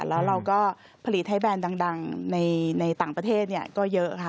แล้วเราก็ผลิตให้แบรนด์ดังในต่างประเทศก็เยอะค่ะ